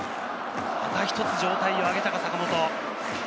また一つ状態を上げたか坂本。